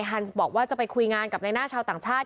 เธอบอกว่าจะไปคุยงานกับนักชาวต่างชาติ